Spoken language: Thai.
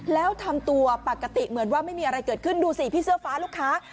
แล้วทำตัวปกติเหมือนว่าไม่มีอะไรเกิดขึ้นดูสิพี่เสื้อฟ้าลูกค้า